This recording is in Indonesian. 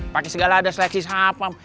pakis segala ada seleksi satpam